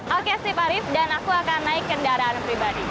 oke sih pak arief dan aku akan naik kendaraan pribadi